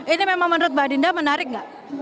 ini memang menurut mbak dinda menarik nggak